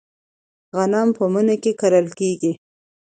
غنم په مني کې کرل کیږي.